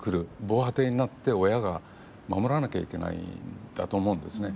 防波堤になって親が守らなきゃいけないんだと思うんですね。